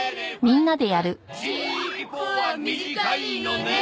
「しっぽは短いのね！」